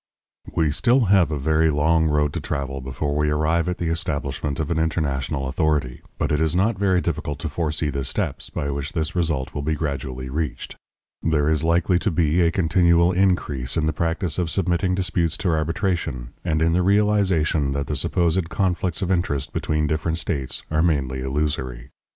We have still a very long road to travel before we arrive at the establishment of an international authority, but it is not very difficult to foresee the steps by which this result will be gradually reached. There is likely to be a continual increase in the practice of submitting disputes to arbitration, and in the realization that the supposed conflicts of interest between different states are mainly illusory.